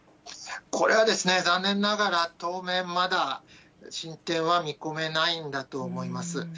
これは残念ながら、当面、まだ進展は見込めないんだと思います。